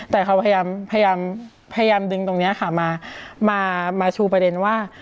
แต่เขาพยายามดึงตรงนี้ค่ะมาชูประเด็นว่า